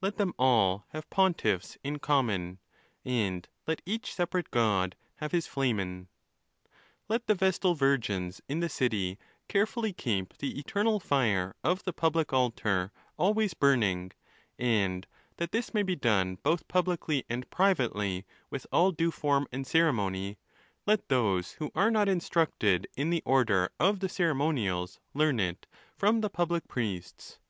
—Let them all have pontiffs in common ; and let each separate god have his Flamen. Let the Vestal Virgins in the city carefully keep the eter nal fire of the public altar always burning; and, that this may be done both publicly and privately with all due form and ceremony, let those who are not instructed in the order of the ceremonials learn it from the public priests.